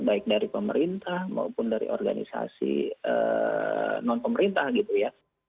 baik dari pemerintah maupun dari organisasi non pemerintah gitu ya